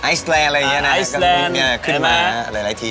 อิสแลนด์อะไรอย่างนี้